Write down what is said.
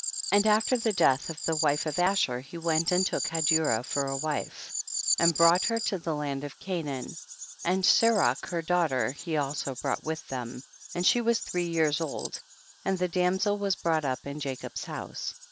16. And after the death of the wife of Asher he went and took Hadurah for a wife, and brought her to the land of Canaan, and Serach her daughter he also brought with them, and she was three years old, and the damsel was brought up in Jacob's house.